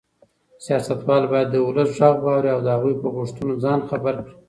سیاستوال باید د ولس غږ واوري او د هغوی په غوښتنو ځان خبر کړي.